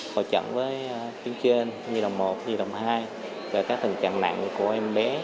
hội trận với phía trên nhi đồng một nhi đồng hai các tình trạng nặng của em bé